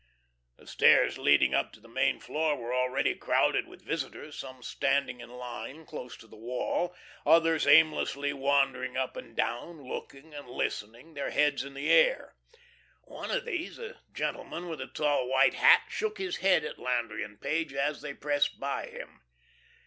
The stairs leading up to the main floor were already crowded with visitors, some standing in line close to the wall, others aimlessly wandering up and down, looking and listening, their heads in the air. One of these, a gentleman with a tall white hat, shook his head at Landry and Page, as they pressed by him.